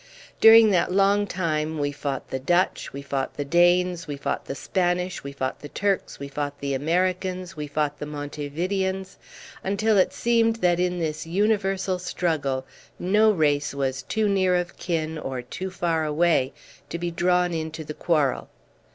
During that long time we fought the Dutch, we fought the Danes, we fought the Spanish, we fought the Turks, we fought the Americans, we fought the Monte Videans, until it seemed that in this universal struggle no race was too near of kin, or too far away, to be drawn into the quarrel.